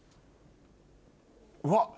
うわっ！